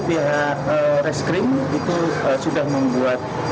pihak reskrim itu sudah membuat